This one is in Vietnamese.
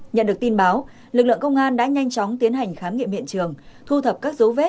nhận được tin báo lực lượng công an đã nhanh chóng tiến hành khám nghiệm hiện trường